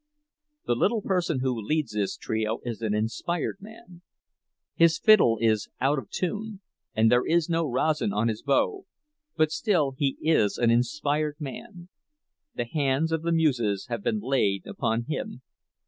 The little person who leads this trio is an inspired man. His fiddle is out of tune, and there is no rosin on his bow, but still he is an inspired man—the hands of the muses have been laid upon him.